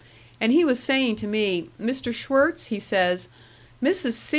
And he was saying to me, 'Mr. Schwirtz,' he says, 'Mrs. C.